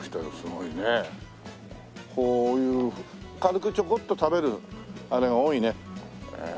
こういう軽くちょこっと食べるあれが多いね。